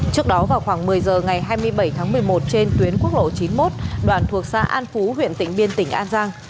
trước đó vào khoảng một mươi giờ ngày hai mươi bảy tháng một mươi một trên tuyến quốc lộ chín mươi một đoạn thuộc xa an phú huyện tỉnh biên tỉnh an giang